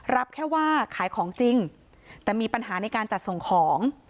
รับแค่ว่าขายของจริงแต่มีปัญหาในการจัดส่งของ